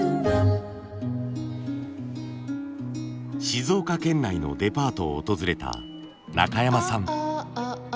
静岡県内のデパートを訪れた中山さん。